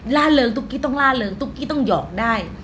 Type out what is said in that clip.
ล่าเริงตุ๊กกี้ต้องล่าเริงตุ๊กกี้ต้องหยอกได้